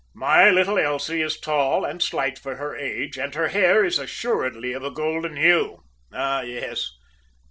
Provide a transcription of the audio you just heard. "My little Elsie is tall and slight for her age, and her hair is assuredly of a golden hue, ah, yes!